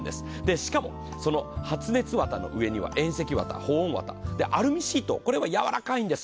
しかも、その発熱綿の上には遠赤わた、保温わた、アルミシート、これはやわらかいんです。